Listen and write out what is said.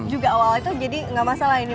juga awal itu jadi nggak masalah ini